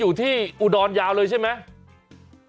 คุณติเล่าเรื่องนี้ให้ฮะ